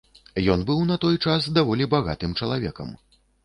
Ён быў на той час даволі багатым чалавекам.